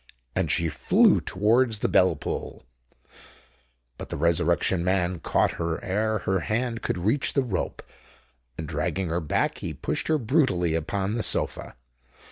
And she flew towards the bell pull. But the Resurrection Man caught her ere her hand could reach the rope; and dragging her back, he pushed her brutally upon the sofa.